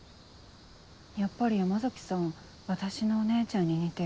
やっぱり山崎さん私のお姉ちゃんに似てる。